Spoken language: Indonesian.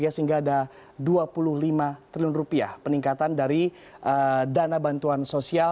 sehingga ada dua puluh lima triliun rupiah peningkatan dari dana bantuan sosial